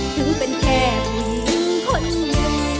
ถึงเป็นแค่ผู้หญิงคนหนึ่ง